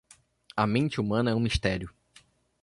A mente humana é um mistério